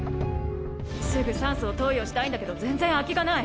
すぐ酸素を投与したいんだけど全然空きがない。